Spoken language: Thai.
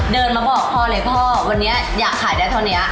เดินมาบอกพ่อเลยพ่อวันนี้อยากขายได้เท่านี้